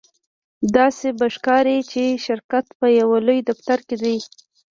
داسې به ښکاري چې شرکت په یو لوی دفتر کې دی